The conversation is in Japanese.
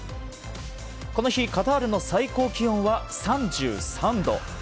この日カタールの最高気温は３３度。